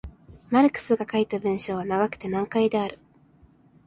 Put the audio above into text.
マルクスが書いた文章は長くて難解である。